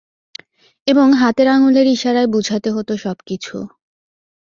এবং হাতের আংগুলের ইশারায় বুঝাতে হত সবকিছু।